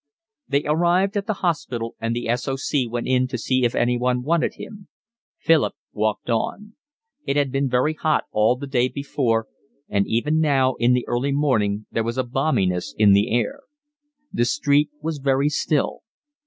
They arrived at the hospital, and the S. O. C. went in to see if anyone wanted him. Philip walked on. It had been very hot all the day before, and even now in the early morning there was a balminess in the air. The street was very still.